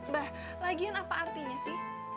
bah lagian apa artinya sih